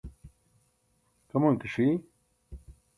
kaman ke ṣi